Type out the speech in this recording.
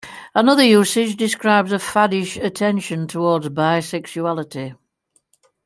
Another usage describes a faddish attention towards bisexuality.